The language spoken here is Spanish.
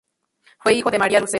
Fue hijo de María Lucero.